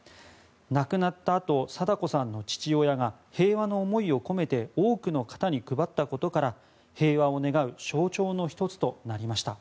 亡くなったあと禎子さんの父親が平和の思いを込めて多くの方に配ったことから平和を願う象徴の１つとなりました。